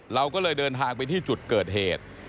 เราก็เลยเดินทางไปที่จุดเกิดเหตุ